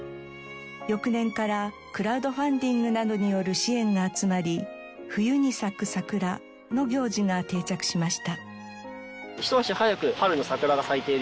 翌年からクラウドファンディングなどによる支援が集まり「冬に咲くさくら」の行事が定着しました。